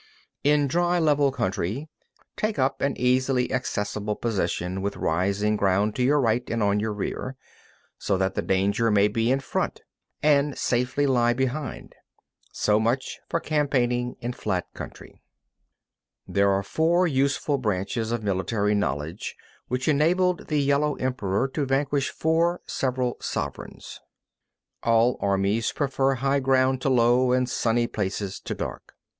9. In dry, level country, take up an easily accessible position with rising ground to your right and on your rear, so that the danger may be in front, and safety lie behind. So much for campaigning in flat country. 10. These are the four useful branches of military knowledge which enabled the Yellow Emperor to vanquish four several sovereigns. 11. All armies prefer high ground to low, and sunny places to dark.